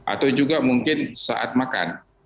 atau juga mungkin saat makan